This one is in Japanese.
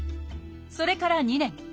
それから２年。